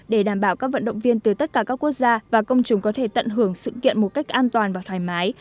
để đảm bảo các vận động viên từ tất cả các quốc gia và công chúng có thể tận hưởng sự kiện một cách an toàn và thoải mái